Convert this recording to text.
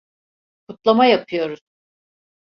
Kutlama yapıyoruz.